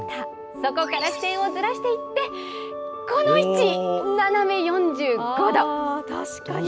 そこから視点をずらしていって、この位置、斜め４５度。